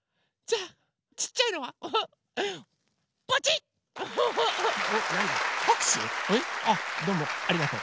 あっどうもありがとう。